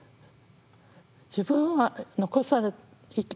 自分は残された。